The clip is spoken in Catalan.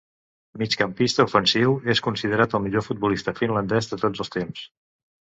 Migcampista ofensiu, és considerat el millor futbolista finlandès de tots els temps.